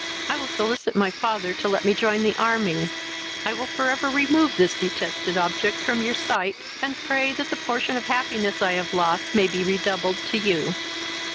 I will solicit my father to let me join the army: I will for ever remove this detested object from your sight, and pray that the portion of happiness I have lost may be redoubled to you."